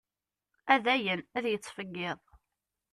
A dayen ad yettfeggiḍ.